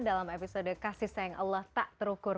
dalam episode kasih sayang allah tak terukur